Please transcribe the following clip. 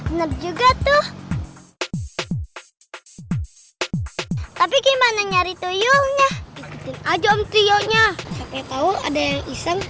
enak juga tuh tapi gimana nyari tuyulnya aja om tuyulnya sampai tahu ada yang iseng